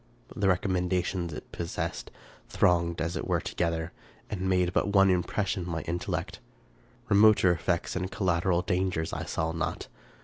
The recommendations it possessed thronged as it were together, and made but one impression on my intellect. Remoter effects and collateral dangers I saw not.